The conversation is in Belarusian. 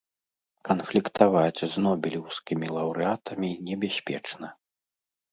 Канфліктаваць з нобелеўскімі лаўрэатамі небяспечна.